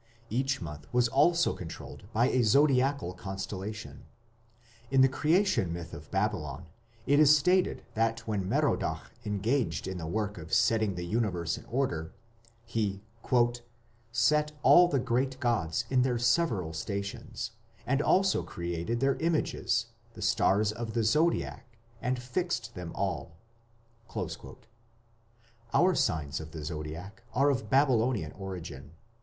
Each month was also controlled by a zodiacal constellation. In the Creation myth of Babylon it is stated that when Merodach engaged in the work of setting the Universe in order he "set all the great gods in their several stations", and "also created their images, the stars of the Zodiac, and fixed them all" (p. 147). Our signs of the Zodiac are of Babylonian origin.